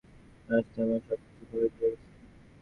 এখানে আসতে আমার সব কিছু খরচ হয়ে গেছে।